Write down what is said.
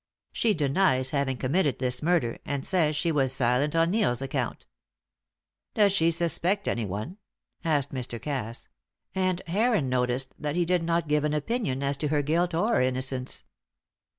She denies having committed the murder, and says she was silent on Neil's account." "Does she suspect anyone?" asked Mr. Cass; and Heron noticed that he did not give an opinion as to her guilt or innocence.